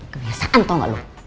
kebiasaan tau gak lu